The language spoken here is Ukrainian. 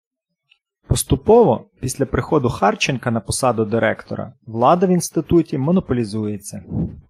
Поступово, після приходу Харченка на посаду Директора, влада в Інституті монополізується.